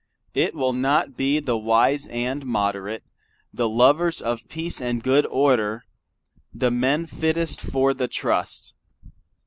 It will not be the wise and moderate; the lovers of peace and good order, the men fittest for the trust.